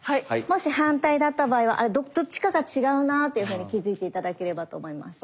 もし反対だった場合はあれどっちかが違うなというふうに気付いて頂ければと思います。